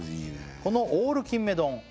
このオールキンメ丼